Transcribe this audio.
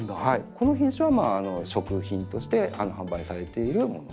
この品種は食品として販売されているもの。